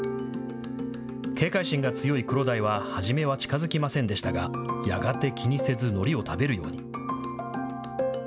警戒心が強いクロダイは初めは近づきませんでしたが、やがて気にせずのりを食べるように。